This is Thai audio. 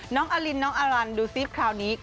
น้องอลินน้องอารันดูซิคราวนี้